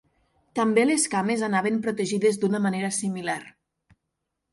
També les cames anaven protegides d'una manera similar.